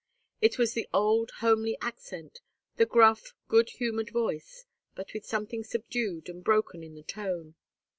It was the old homely accent, and gruff good humoured voice, but with something subdued and broken in the tone.